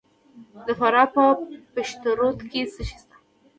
د فراه په پشترود کې څه شی شته؟